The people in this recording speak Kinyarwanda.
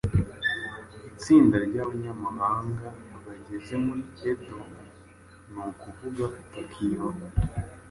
Itsinda ryabaamahanga bageze muri Edo, ni ukuvuga Tokiyo.